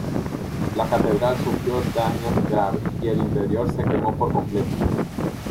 La catedral sufrió daños graves y el interior se quemó por completo.